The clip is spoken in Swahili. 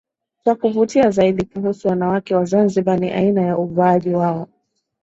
Cha kuvutia zaidi kuhusu wanawake wa Zanzibar ni aina ya uvaaji wao